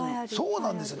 そうなんですよ。